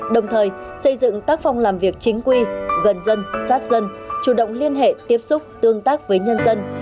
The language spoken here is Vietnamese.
đồng thời xây dựng tác phong làm việc chính quy gần dân sát dân chủ động liên hệ tiếp xúc tương tác với nhân dân